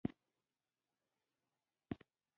باد د انسان ژوند اغېزمنوي